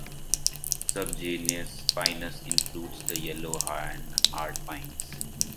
Subgenus "Pinus" includes the yellow and hard pines.